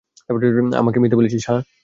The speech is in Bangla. আমাকে মিথ্যে বলেছিস, হাহ্!